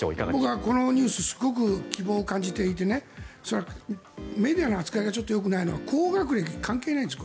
僕はこのニュースすごい希望を感じていてメディアの扱いがよくないのは高学歴は関係ないんです。